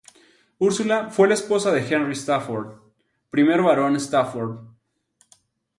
Ursula fue la esposa de Henry Stafford, I Barón Stafford.